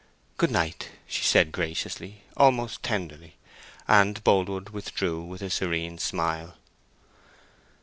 "Good night," she said, graciously—almost tenderly; and Boldwood withdrew with a serene smile.